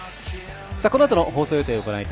このあとの放送予定です。